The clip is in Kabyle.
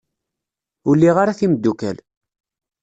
Ur liɣ ara timeddukal.